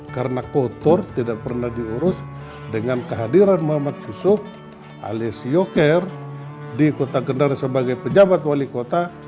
karena kotor tidak pernah diurus dengan kehadiran muhammad khusuf alias yoker di kota kedara sebagai pejabat wali kota